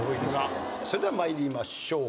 それでは参りましょう。